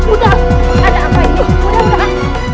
udah ada apa ini